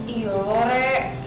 iya loh re